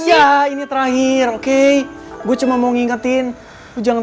bahkan akuish lagi nyusahin